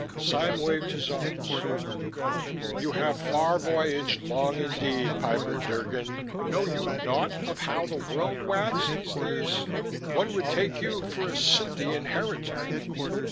Sime waved his arms. "You have far voyaged long indeed, Piper Drgon. Know you naught of how the world wags these days? One would take you for a Cintean heretic."